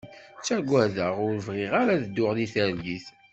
Ttagadeɣ ur bɣiɣ ara ad dduɣ deg targit.